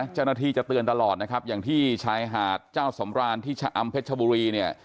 เจ้าหน้าที่จะเตือนตลอดนะครับอย่างที่ชายหาดเจ้าสำรานที่ชะอำเพชรชบุรีเนี่ย